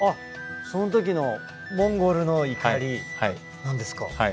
その時のモンゴルの碇なんですか。